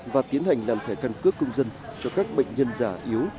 và tiến hành làm thẻ căn cước công dân cho các bệnh nhân giả yếu